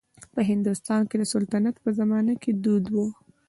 په هندوستان کې د سلطنت په زمانه کې دود و.